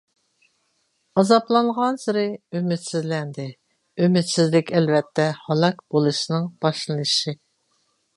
ئازابلانغانسېرى ئۈمىدسىزلەندى. ئۈمىدسىزلىك ئەلۋەتتە ھالاك بولۇشنىڭ باشلىنىشى.